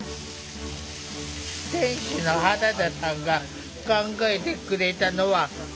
店主の原田さんが考えてくれたのは豚肉の香味焼き。